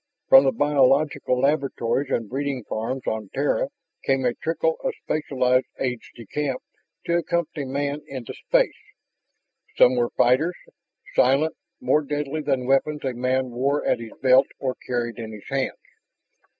From the biological laboratories and breeding farms on Terra came a trickle of specialized aides de camp to accompany man into space. Some were fighters, silent, more deadly than weapons a man wore at his belt or carried in his hands.